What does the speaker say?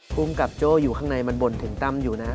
ภูมิกับโจ้อยู่ข้างในมันบ่นถึงตั้มอยู่นะ